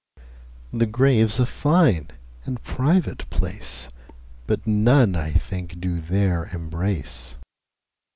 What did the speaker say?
The Grave's a fine and private place, But none I think do there embrace.